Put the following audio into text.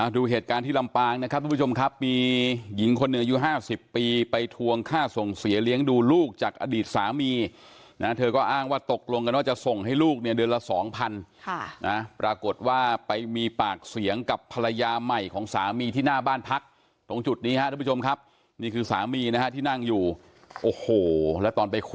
ดูเหตุการณ์ที่ลำปางนะครับทุกผู้ชมครับมีหญิงคนหนึ่งอายุ๕๐ปีไปทวงค่าส่งเสียเลี้ยงดูลูกจากอดีตสามีนะเธอก็อ้างว่าตกลงกันว่าจะส่งให้ลูกเนี่ยเดือนละสองพันค่ะนะปรากฏว่าไปมีปากเสียงกับภรรยาใหม่ของสามีที่หน้าบ้านพักตรงจุดนี้ครับทุกผู้ชมครับนี่คือสามีนะฮะที่นั่งอยู่โอ้โหแล้วตอนไปค